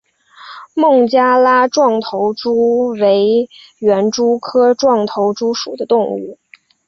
孟加拉壮头蛛为园蛛科壮头蛛属的动物。